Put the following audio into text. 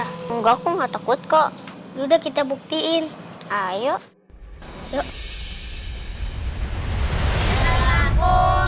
hai enggak aku nggak takut kok udah kita buktiin ayo yuk